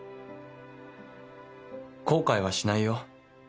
後悔はしないよ